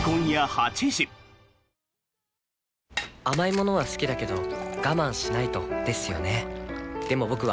甘い物は好きだけど我慢しないとですよね